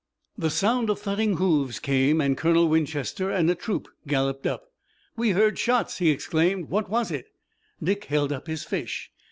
The sound of thudding hoofs came, and Colonel Winchester and a troop galloped up. "We heard shots!" he exclaimed. "What was it?" Dick held up his fish.